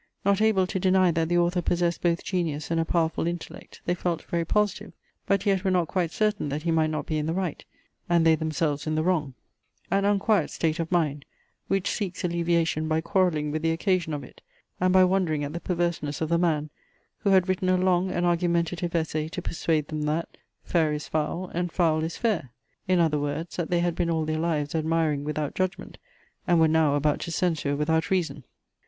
Not able to deny that the author possessed both genius and a powerful intellect, they felt very positive, but yet were not quite certain that he might not be in the right, and they themselves in the wrong; an unquiet state of mind, which seeks alleviation by quarrelling with the occasion of it, and by wondering at the perverseness of the man, who had written a long and argumentative essay to persuade them, that Fair is foul, and foul is fair; in other words, that they had been all their lives admiring without judgment, and were now about to censure without reason.